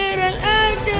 nggak nggak kena